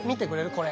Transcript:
これ。